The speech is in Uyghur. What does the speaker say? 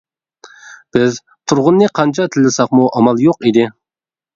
بىز تۇرغۇننى قانچە تىللىساقمۇ ئامال يوق ئىدى.